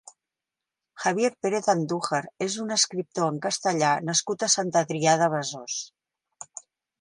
Javier Pérez Andújar és un escriptor en castellà nascut a Sant Adrià de Besòs.